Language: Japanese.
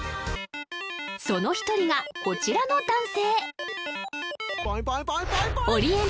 その１人がこちらの男性